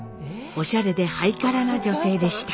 おしゃれでハイカラな女性でした。